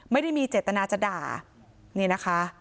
ไม่ได้มีเจตนาจะด่านี่นะคะ